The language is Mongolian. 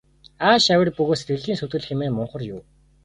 Ааш авир бөгөөс сэтгэлийн сүйтгэл хэмээн мунхар юу.